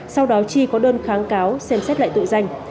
sau đó chi có đơn kháng cáo xem xét lại tội danh